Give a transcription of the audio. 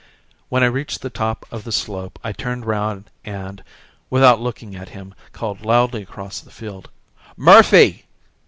When I reached the top of the slope I turned round and, without looking at him, called loudly across the field: "Murphy!"